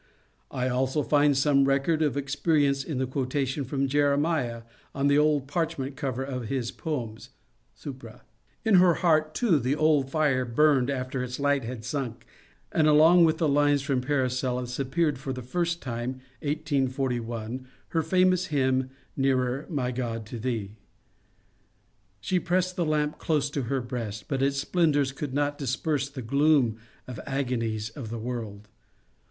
I also find some record of experience in the quo tation from Jeremiah on the old parchment cover of his poems (jsuprd). In her heart, too, the old fire burned, after its light had sunk, and along with the lines from ^' Paracel sus " appeared, for the first time (1841), her famous hymn, " Nearer, my God, to Thee ?" She pressed the lamp close to her breast, but its splendours could not disperse the gloom of the agonies of the world.